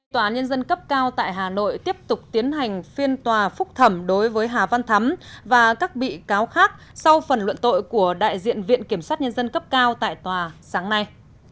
tòa án nhân dân cấp cao tại hà nội tiếp tục tiến hành phiên tòa phúc thẩm đối với hà văn thắm và các bị cáo khác sau phần luận tội của đại diện viện kiểm sát nhân dân cấp cao tại tòa sáng nay